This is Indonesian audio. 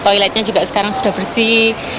toiletnya juga sekarang sudah bersih